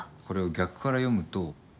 これを逆から読むと。